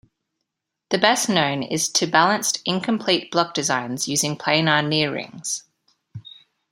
The best known is to balanced incomplete block designs using planar near-rings.